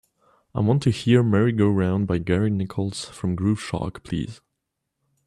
I want to hear Merry Go Round by Gary Nichols from Groove Shark please.